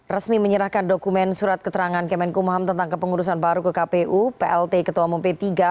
resmi menyerahkan dokumen surat keterangan kemenkumham tentang kepengurusan baru ke kpu plt ketua umum p tiga